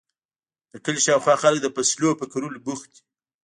د کلي شااوخوا خلک د فصلونو په کرلو بوخت دي.